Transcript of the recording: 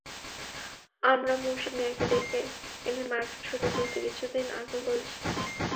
আমরা মুর্শিদ মিয়াকে ডেকে এনে মার্কেট সরিয়ে ফেলতে কিছুদিন আগেও বলেছি।